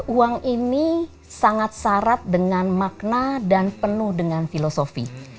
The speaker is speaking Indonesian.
uang ini sangat syarat dengan makna dan penuh dengan filosofi